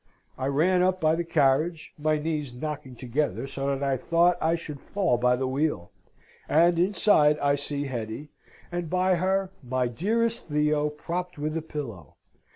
I ran up to the carriage, my knees knocking together so that I thought I should fall by the wheel; and inside I see Hetty, and by her my dearest Theo, propped with a pillow.